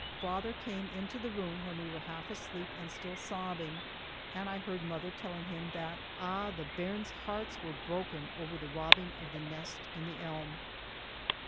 Father came into the room when we were half asleep and still sobbing, and I heard mother telling him that, "a' the bairns' hearts were broken over the robbing of the nest in the elm."